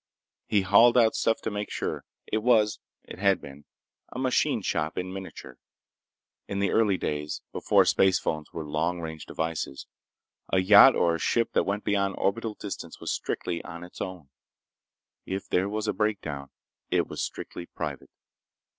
He hauled out stuff to make sure. It was ... it had been ... a machine shop in miniature. In the early days, before spacephones were long range devices, a yacht or a ship that went beyond orbital distance was strictly on its own. If there were a breakdown, it was strictly private.